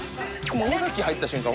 尾崎入った瞬間